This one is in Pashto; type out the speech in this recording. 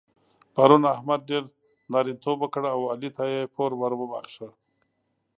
پرون احمد ډېر نارینتوب وکړ او علي ته يې پور ور وباښه.